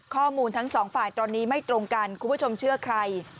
ข้อมูลทั้งสองฝ่ายตอนนี้ไม่ตรงกันคุณผู้ชมเชื่อใคร